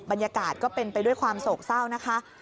บรรยากาศก็เป็นไปด้วยความโศกเศร้านะคะ